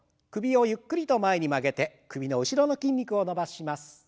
首をゆっくりと前に曲げて首の後ろの筋肉を伸ばします。